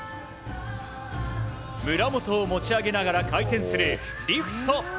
村元を持ち上げながら回転するリフト。